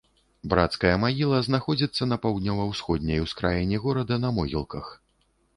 Брацкая магіла знаходзіцца на паўднёва-ўсходняй ускраіне горада на могілках.